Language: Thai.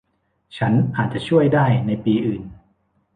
ฉันอาจจะช่วยได้ในปีอื่น